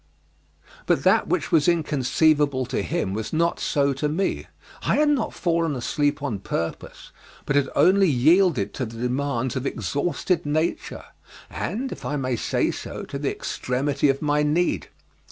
But that which was inconceivable to him was not so to me. I had not fallen asleep on purpose, but had only yielded to the demands of exhausted nature, and, if I may say so, to the extremity of my need.